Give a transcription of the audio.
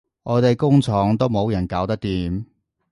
我哋工廠都冇人搞得掂